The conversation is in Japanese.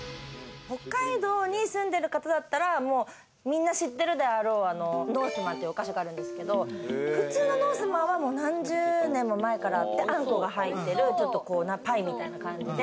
北海道に住んでる方だったら、みんな知ってるであろうノースマンというお菓子があるんですけれども、普通のノースマンは何十年も前からあって、あんこが入ってるパイみたいな感じで。